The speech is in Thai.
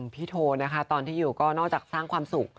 โทนะคะตอนที่อยู่ก็นอกจากสร้างความสุข